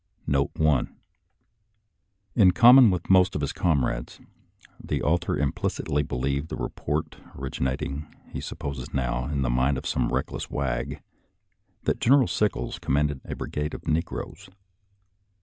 Note 1 — In common with most of his comrades, the author implicitly believed the report, originating, he supposes now, in the mind of some reckless wag, that General Sickles com manded a brigade of negroes.